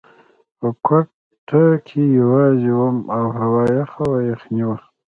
په کوټه کې یوازې وم او هوا یخه وه، یخنۍ وه.